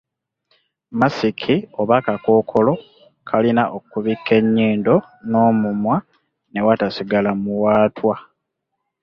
Masiki oba akakookolo kalina okubikka ennyindo n’omumwa ne watasigala muwaatwa.